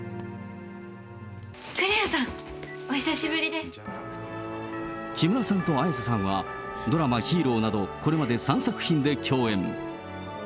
くりゅうさん、木村さんと綾瀬さんは、ドラマ、ＨＥＲＯなど、これまで３作品で共演。